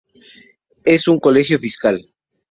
Es un colegio fiscal.